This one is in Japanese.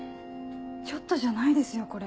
ちょっとじゃないですよこれ。